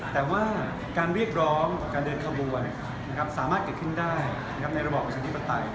แต่ว่าการเรียกร้องกับการเดินขบวนสามารถเกิดขึ้นได้ในระบอบประชาธิปไตย